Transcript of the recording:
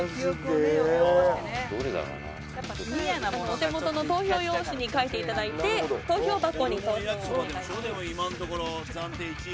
お手元の投票用紙に書いていただいて投票箱に投票をお願いします。